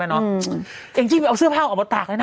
แม่น้องจริงเอาเสื้อผ้าออกมาตรากเลยนะ